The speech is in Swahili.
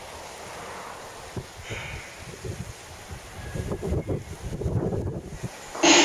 na kusababisha rais ben ali kutorokea nchini saudi arabia